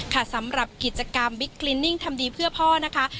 ค่ะสำหรับกิจกรรมทำดีเพื่อพ่อนะคะ